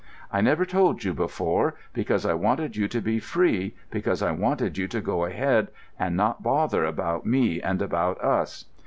I never told you before, because I wanted you to be free, because I wanted you to go ahead and not bother about me and about us.